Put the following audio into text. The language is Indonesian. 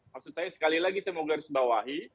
maksud saya sekali lagi saya mau garis bawahi